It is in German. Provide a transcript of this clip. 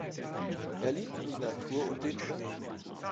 Er liebte die Natur und den Schnee.